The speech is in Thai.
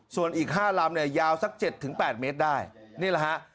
ส่วนอีก๕ลำเนี่ยยาวสัก๗๘เมตรได้นี่แหละฮะ